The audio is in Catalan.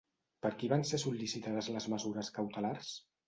Per qui van ser sol·licitades les mesures cautelars?